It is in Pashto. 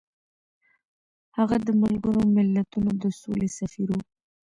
هغه د ملګرو ملتونو د سولې سفیر و.